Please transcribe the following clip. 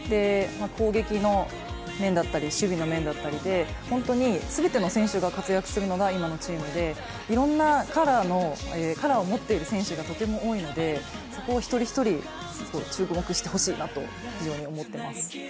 攻撃の面、守備の面だったりで、全ての選手が活躍するのが今のチームで、いろんなカラーを持っている選手がとても多いので、そこを一人一人注目してほしいなと思います。